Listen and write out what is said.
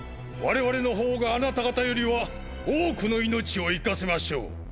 我々の方があなた方よりは多くの命を生かせましょう。